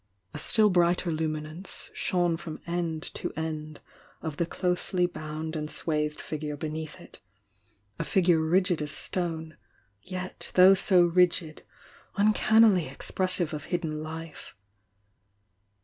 A still brighter luminance shone from end to end of the closely bound and swathed figure beneath it, — a figure rigid as stone, yet though so rigid, uncannily expressive of hidden life.